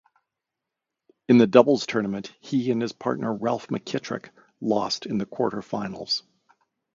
In the doubles tournament he and his partner Ralph McKittrick lost in the quarter-finals.